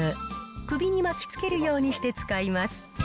首に巻きつけるようにして使います。